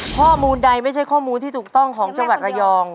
ข้อมูลใดไม่ใช่ข้อมูลที่ถูกต้องของจังหวัดระยอง